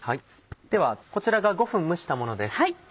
ではこちらが５分蒸したものです。